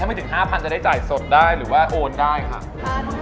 ไม่ถึง๕๐๐จะได้จ่ายสดได้หรือว่าโอนได้ค่ะ